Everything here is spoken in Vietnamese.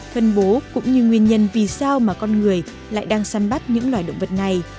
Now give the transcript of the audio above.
phân bố cũng như nguyên nhân vì sao mà con người lại đang săn bắt những loài động vật này